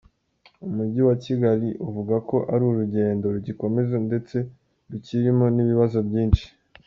Umijyi wa Kigali uvuga ko ari urugendo rugikomeza ndetse rukirimo n’ibibazo byinshi.